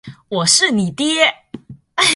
我是你爹！